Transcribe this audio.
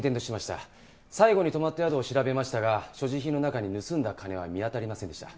最後に泊まった宿を調べましたが所持品の中に盗んだ金は見当たりませんでした。